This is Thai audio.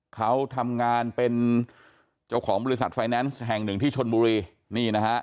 เขาทำงานเป็นเจ้าของบริษัทไฟแนนซ์แห่งหนึ่งที่ชนบุรีนี่นะฮะ